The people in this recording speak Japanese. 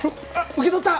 受け取った！